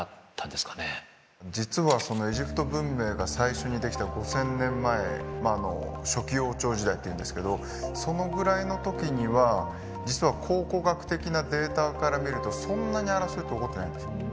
実はエジプト文明が最初に出来た５，０００年前初期王朝時代っていうんですけどそのぐらいの時には実は考古学的なデータから見るとそんなに争いって起こってないんですよ。